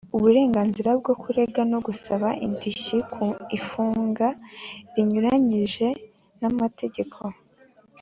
Uburenganzira bwo kurega no gusaba indishyi ku ifunga rinyuranyije n’ amategeko